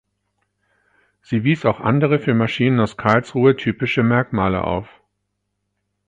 Sie wies auch andere für Maschinen aus Karlsruhe typische Merkmale auf.